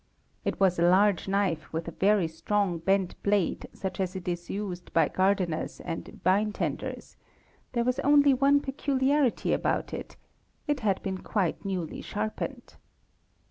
It was a large knife with a_ very strong bent blade such as is used by gardeners and vinetenders; there was only one peculiarity about it, it had been quite newly sharpened.